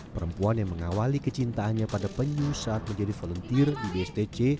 perempuan yang mengawali kecintaannya pada penyu saat menjadi volunteer di bstc